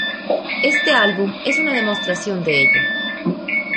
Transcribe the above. Este álbum es una demostración de ello.